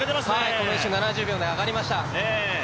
この１周で７０秒台に上がりました。